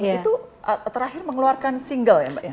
itu terakhir mengeluarkan single ya mbak ya